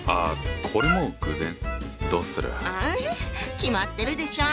決まってるでしょ！